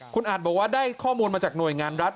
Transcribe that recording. คุณอาจบอกว่าได้ข้อมูลมาจากหน่วยงานรัฐ